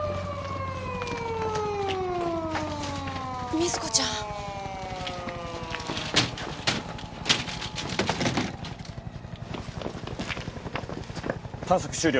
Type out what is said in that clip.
瑞子ちゃん。探索終了。